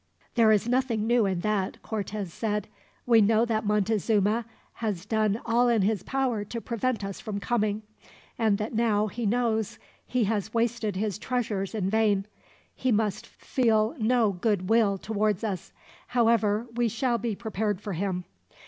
"There is nothing new in that," Cortez said. "We know that Montezuma has done all in his power to prevent us from coming, and that now he knows he has wasted his treasures in vain, he must feel no goodwill towards us. However, we shall be prepared for him.